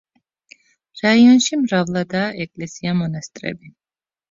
რაიონში მრავლადაა ეკლესია-მონასტრები.